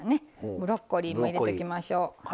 ブロッコリーも入れときましょう。